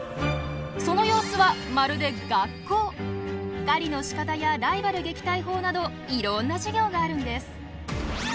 その様子は狩りのしかたやライバル撃退法などいろんな授業があるんです。